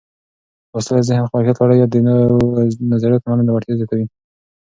لوستل د ذهن خلاقيت لوړوي او د نوو نظریاتو منلو وړتیا زیاتوي.